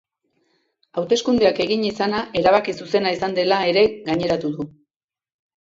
Hauteskundeak egin izana erabaki zuzena izan dela ere gaineratu du.